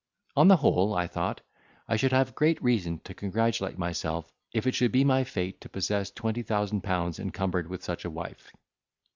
On the whole, I thought I should have great reason to congratulate myself if it should be my fate to possess twenty thousand pounds encumbered with such a wife.